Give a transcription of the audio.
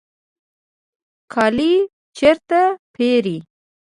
کالی چیرته پیرئ؟